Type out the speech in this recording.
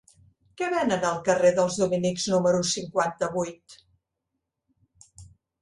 Què venen al carrer dels Dominics número cinquanta-vuit?